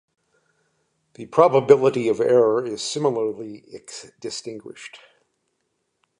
The probability of error is similarly distinguished.